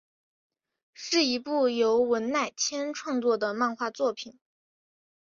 是一部由文乃千创作的漫画作品。